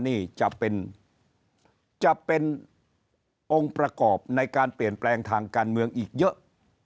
นี่จะเป็นจะเป็นองค์ประกอบในการเปลี่ยนแปลงทางการเมืองอีกเยอะ